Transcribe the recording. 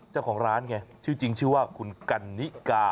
เจ้าของร้านไง